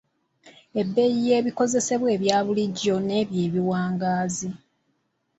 Ebbeeyi y’ebikozesebwa ebyabulijjo n’ebyo ebiwangaazi.